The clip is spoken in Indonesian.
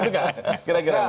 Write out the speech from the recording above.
bukan gitu kak